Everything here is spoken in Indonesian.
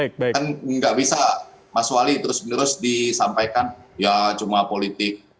kan nggak bisa mas wali terus menerus disampaikan ya cuma politik